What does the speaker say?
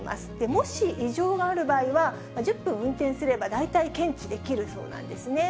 もし異常がある場合は、１０分運転すれば大体検知できるそうなんですね。